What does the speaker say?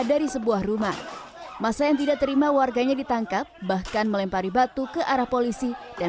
dari sebuah rumah masa yang tidak terima warganya ditangkap bahkan melempari batu ke arah polisi dan